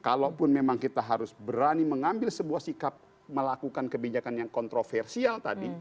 kalaupun memang kita harus berani mengambil sebuah sikap melakukan kebijakan yang kontroversial tadi